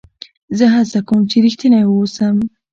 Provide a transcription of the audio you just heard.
زه هڅه کوم، چي رښتینی واوسم.